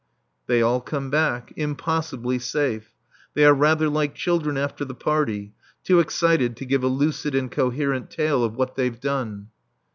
They all come back, impossibly safe. They are rather like children after the party, too excited to give a lucid and coherent tale of what they've done.